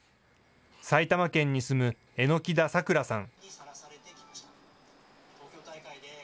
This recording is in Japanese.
埼玉県に住む榎田咲来さん。